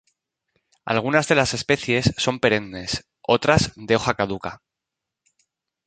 Algunas de las especies son perennes, otras de hoja caduca.